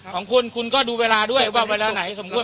ของคุณคุณก็ดูเวลาด้วยว่าเวลาไหนสมควร